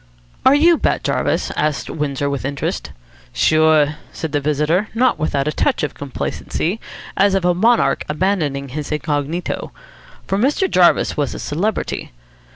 "Are you Bat Jarvis?" asked Windsor with interest. "Sure," said the visitor, not without a touch of complacency, as of a monarch abandoning his incognito. For Mr. Jarvis was a celebrity.